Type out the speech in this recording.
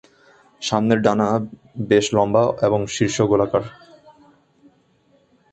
সামনের ডানা বেশ লম্বা এবং শীর্ষ গোলাকার।